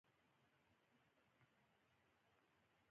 بېلابېلې طبیعي زیرمې شتون لري.